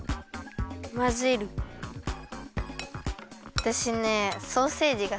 あたしねソーセージがすき。